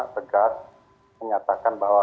tegas menyatakan bahwa